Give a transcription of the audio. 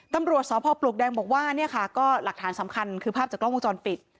ตำรวจสพปลวกแดงบอกว่าเนี่ยค่ะก็หลักฐานสำคัญคือภาพจากกล้องวงจรปิด